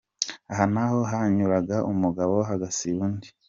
Aha naho hanyuraga umugabo hagasiba undi.